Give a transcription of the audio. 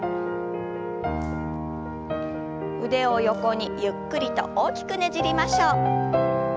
腕を横にゆっくりと大きくねじりましょう。